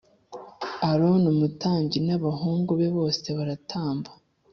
Aroni umutambyi n abahungu be bose baratamba